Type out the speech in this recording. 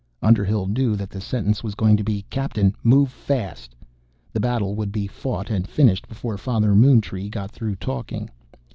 Underhill knew that the sentence was going to be "Captain, move fast!" The battle would be fought and finished before Father Moontree got through talking.